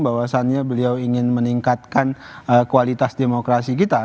bahwasannya beliau ingin meningkatkan kualitas demokrasi kita